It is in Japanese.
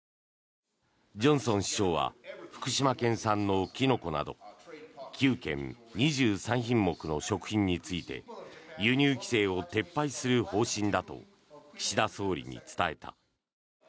ジョンソン首相は福島県産のキノコなど９県２３品目の食品について輸入規制を撤廃する方針だと岸田総理に伝えた。